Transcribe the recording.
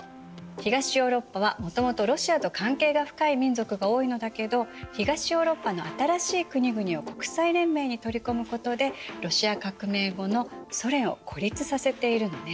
東ヨーロッパはもともとロシアと関係が深い民族が多いのだけど東ヨーロッパの新しい国々を国際連盟に取り込むことでロシア革命後のソ連を孤立させているのね。